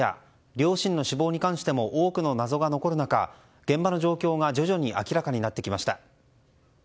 両親の死亡に関しても多くの謎が残る中現場の状況が徐々に明らかになってきました。